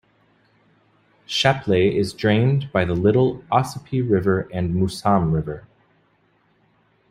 Shapleigh is drained by the Little Ossipee River and Mousam River.